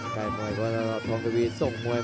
ใครมวยต่อตลอดทองทวีส่งมวยมา